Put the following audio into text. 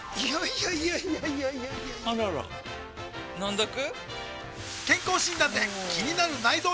いやいやいやいやあらら飲んどく？